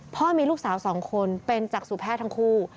พ่อมีลูกสาว๒คนเป็นจักษุแพทย์ทั้งคู่